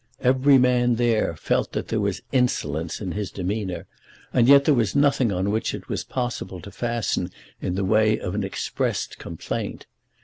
Every man there felt that there was insolence in his demeanour, and yet there was nothing on which it was possible to fasten in the way of expressed complaint.